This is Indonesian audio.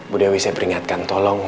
bu dewi saya peringatkan